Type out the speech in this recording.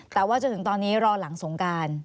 แต่ว่าจนถึงตอนนี้รอหลังสงการ